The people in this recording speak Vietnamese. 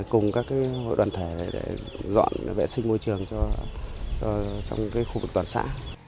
cùng các hội đoàn thể để dọn vệ sinh môi trường trong khu vực toàn xã